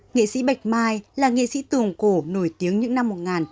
nghệ sĩ bạch mai là nghệ sĩ tường cổ nổi tiếng những năm một nghìn chín trăm bảy mươi